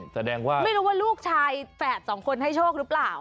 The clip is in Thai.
แสดงว่าไม่รู้ว่าลูกชายแฝดสองคนให้โชคหรือเปล่า